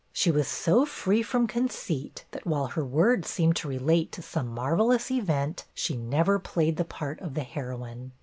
She was so free from conceit that, while her words seemed to relate to some marvellous event, she never played the part of the heroine.